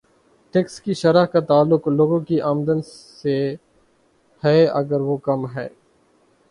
Tax کی شرح کا تعلق لوگوں کی آمدن سے ہے اگر وہ کم ہے۔